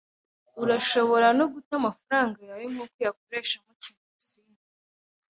Urashobora no guta amafaranga yawe nkuko uyakoresha mukina urusimbi.